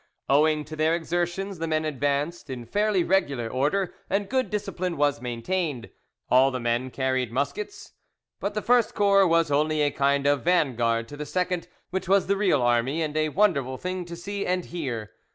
Owing to their exertions, the men advanced in fairly regular order, and good discipline was maintained. All the men carried muskets. But the first corps was only a kind of vanguard to the second, which was the real army, and a wonderful thing to see and hear.